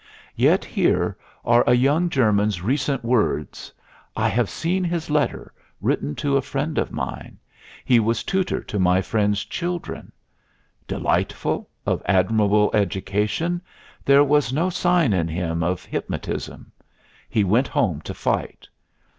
Yet here are a young German's recent words. I have seen his letter, written to a friend of mine. He was tutor to my friend's children. Delightful, of admirable education, there was no sign in him of hypnotism. He went home to fight.